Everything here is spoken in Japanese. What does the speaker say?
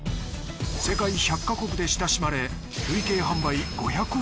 世界１００ヵ国で親しまれ累計販売５００億